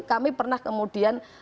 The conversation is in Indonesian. kami pernah kemudian